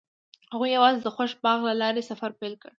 هغوی یوځای د خوښ باغ له لارې سفر پیل کړ.